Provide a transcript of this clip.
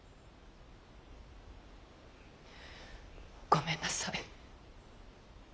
ごめんなさい。